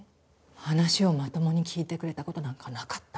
話をまともに聞いてくれた事なんかなかった。